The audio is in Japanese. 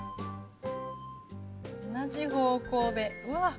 同じ方向でうわ。